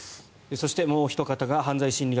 そして、もうおひと方犯罪心理学